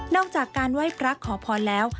นอกจากการไหว้พระครักษ์ขอพอแล้ว